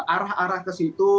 arah arah ke situ